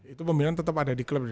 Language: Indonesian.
itu pembinaan tetap ada di klubnya